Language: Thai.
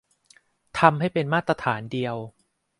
ทำให้เป็นมาตรฐานเดียว